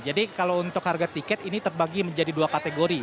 kalau untuk harga tiket ini terbagi menjadi dua kategori